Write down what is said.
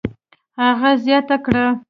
هغه زیاته کړه: